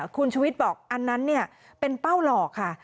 คุณชวิตบอกอันนั้นเป็นเป้าหลอกค่ะ